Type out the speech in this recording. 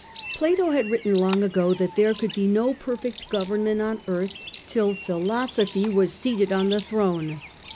Plato had written long ago that there could be no per fect government on earth till philosophy was seated on The early throne.